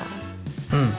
うん。